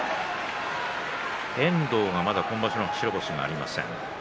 遠藤はまだ今場所白星がありません。